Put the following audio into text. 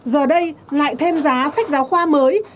giờ đây lại thêm giá sách giáo khoa mới